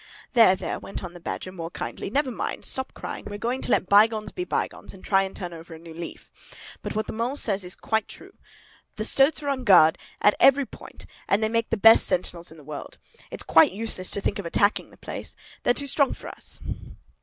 "There, there!" went on the Badger, more kindly. "Never mind. Stop crying. We're going to let bygones be bygones, and try and turn over a new leaf. But what the Mole says is quite true. The stoats are on guard, at every point, and they make the best sentinels in the world. It's quite useless to think of attacking the place. They're too strong for us."